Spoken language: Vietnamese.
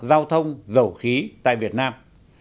giao thông dầu khí tại việt nam